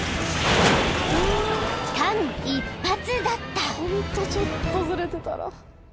［間一髪だった］